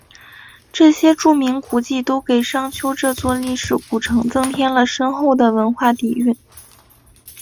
这些著名古迹都给商丘这座历史古城增添了深厚的文化底蕴。